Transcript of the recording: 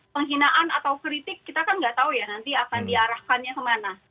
penghinaan atau kritik kita kan nggak tahu ya nanti akan diarahkannya kemana